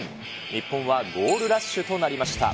日本はゴールラッシュとなりました。